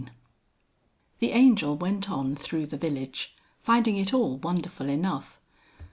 The Angel went on through the village, finding it all wonderful enough.